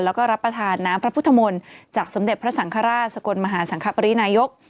แล้วก็รับประทานน้ำพระพุทธมนต์จากสมเด็จพระสังฆราชสกลมหาสังคปรินายก